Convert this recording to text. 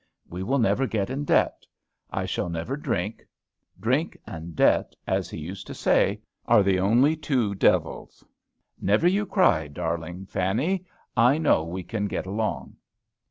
We will never get in debt. I shall never drink. Drink and debt, as he used to say, are the only two devils. Never you cry, darling Fanny, I know we can get along."